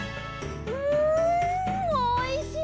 うんおいしい。